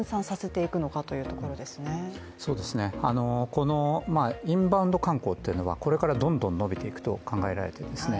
このインバウンド観光というのはこれからどんどん伸びていくと考えられていますね。